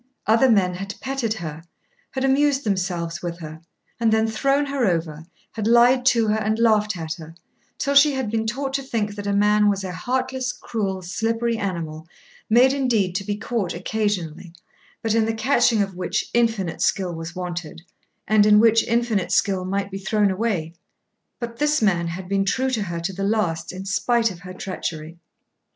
Other men had petted her, had amused themselves with her, and then thrown her over, had lied to her and laughed at her, till she had been taught to think that a man was a heartless, cruel, slippery animal, made indeed to be caught occasionally, but in the catching of which infinite skill was wanted, and in which infinite skill might be thrown away. But this man had been true to her to the last in spite of her treachery!